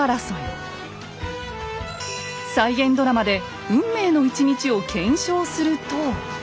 再現ドラマで運命の１日を検証すると。